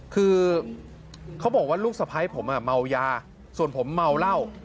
คือเขาบอกว่าลูกสะพ้ายผมเมายาส่วนผมเมาเหล้า